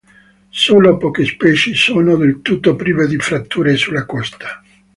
Solo poche specie sono del tutto prive di fratture sulla costa.